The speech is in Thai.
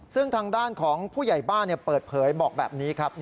ซึ่งทางด้านของผู้ใหญ่บ้านเปิดเผยบอกแบบนี้ครับ